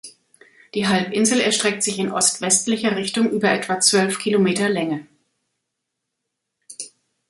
Die Halbinsel erstreckt sich in ost-westlicher Richtung über etwa zwölf Kilometer Länge.